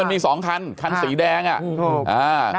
นี่๒คันคันสีแดงอ่ะ